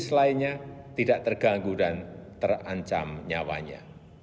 is lainnya tidak terganggu dan terancam nyawanya